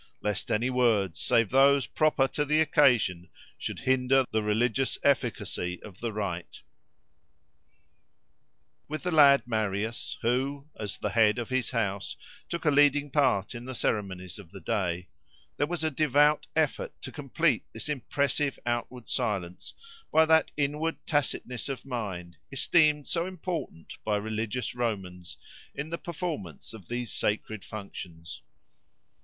—lest any words save those proper to the occasion should hinder the religious efficacy of the rite. With the lad Marius, who, as the head of his house, took a leading part in the ceremonies of the day, there was a devout effort to complete this impressive outward silence by that inward tacitness of mind, esteemed so important by religious Romans in the performance of these sacred functions.